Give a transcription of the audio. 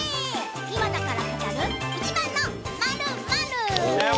今だから語る、一番の○○」。